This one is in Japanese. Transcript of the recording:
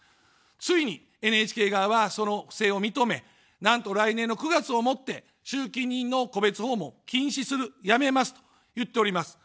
ついにＮＨＫ側は、その不正を認め、なんと来年の９月をもって集金人の戸別訪問を禁止する、やめますと言っております。